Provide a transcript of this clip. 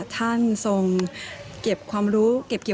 ตามแนวทางศาสตร์พระราชาของในหลวงราชการที่๙